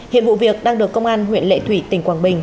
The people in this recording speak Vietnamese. hiện vụ việc đang được công an huyện lệ thủy tỉnh quảng bình